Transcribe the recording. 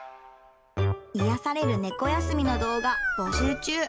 癒やされる猫休みの動画、募集中。